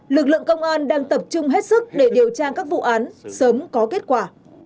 lực lượng công an đang tập trung hết sức để điều tra các vụ án sớm có kết quả